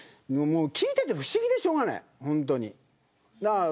聞いてて不思議でしょうがない。